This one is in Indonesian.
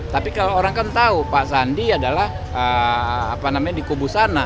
tapi kalau orang kan tahu pak sandi adalah apa namanya di kubu sana